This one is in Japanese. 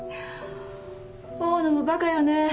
大野もバカよね